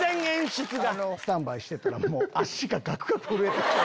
スタンバイしてたら脚がガクガク震えてきて。